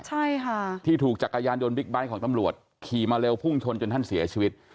ใช่ค่ะที่ถูกจักรยานยนต์บิ๊กไบท์ของตำรวจขี่มาเร็วพุ่งชนจนท่านเสียชีวิต